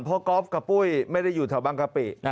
เพราะก๊อฟกับปุ้ยไม่ได้อยู่แถวบางกะปิ